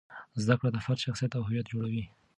زده کړه د فرد شخصیت او هویت جوړوي.